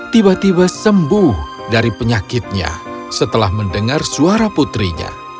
tiba tiba sembuh dari penyakitnya setelah mendengar suara putrinya